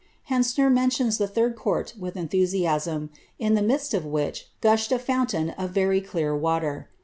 Hentzner mentions the third court with enthusiasm, in the midst of which, gushed a fountain of very clear water.